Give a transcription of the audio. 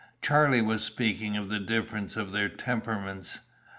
Charlie was speaking of the difference of their temperaments.